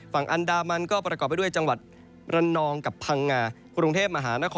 ฝั่งอันดามันก็ประกอบไปด้วยจังหวัดรันนองกับพังงา